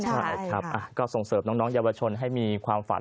ใช่ครับก็ส่งเสริมน้องเยาวชนให้มีความฝัน